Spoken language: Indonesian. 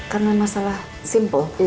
karena masalah simple